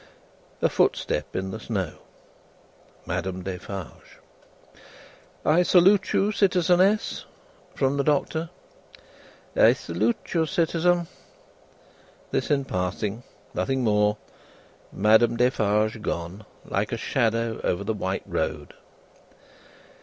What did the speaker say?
A footstep in the snow. Madame Defarge. "I salute you, citizeness," from the Doctor. "I salute you, citizen." This in passing. Nothing more. Madame Defarge gone, like a shadow over the white road.